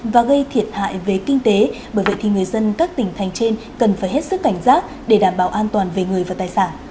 và gây thiệt hại về kinh tế bởi vậy thì người dân các tỉnh thành trên cần phải hết sức cảnh giác để đảm bảo an toàn về người và tài sản